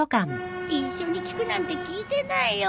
一緒に聞くなんて聞いてないよ。